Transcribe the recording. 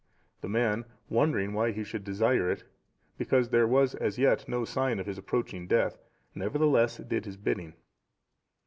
The man, wondering why he should desire it, because there was as yet no sign of his approaching death, nevertheless did his bidding.